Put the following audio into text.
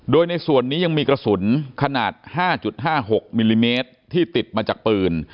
โดยในส่วนนี้ยังมีกระสุนขนาด๕๕๖มิลลิเมตรที่ติดมาจากปืน